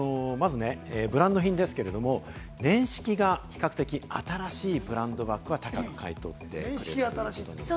ブランド品ですけれども、年式が比較的新しいブランドバッグは高く買い取ってくれるということです。